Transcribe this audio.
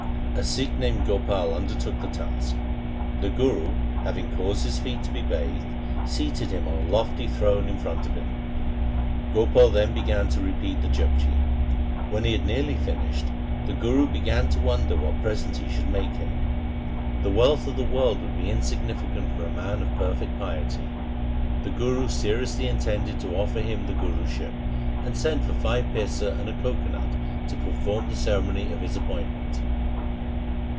A Sikh named Gopal undertook the task. The Guru having caused his feet to be bathed, seated him on a lofty throne in front of him. Gopal then began to repeat the Japji. When he had nearly finished, the Guru began to consider what present he should make him. The wealth of the 120 THE SIKH RELIGION world would be insignificant for a man of perfect piety. The Guru seriously intended to offer him the Guruship, and sent for five paise and a coco nut to perform the ceremony of his appoint ment.